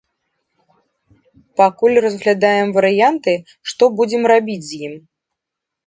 Пакуль разглядаем варыянты, што будзем рабіць з ім.